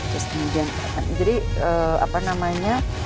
tergantung acara jadi kalau malam biasanya